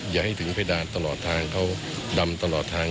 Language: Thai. อย่าให้ถึงเพดานตลอดทางเขาดำตลอดทาง